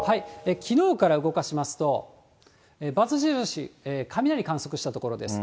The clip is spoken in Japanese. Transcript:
きのうから動かしますと、×印、雷観測した所です。